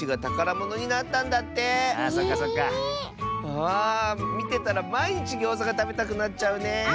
ああみてたらまいにちギョーザがたべたくなっちゃうねえ。